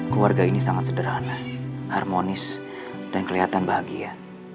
keluarga ini sangat sederhana harmonis dan kelihatan bahagia